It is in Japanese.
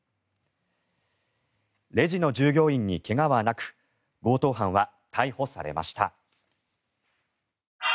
レジの従業員に怪我はなく強盗犯は逮捕されました。